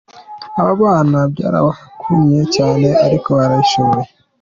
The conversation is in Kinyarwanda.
Aba bana byarabavunnye cyane ariko barabishoboye.